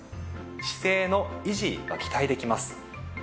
姿勢の維持が期待できます。